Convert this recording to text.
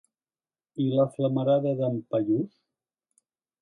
I la flamarada d'en Paiús?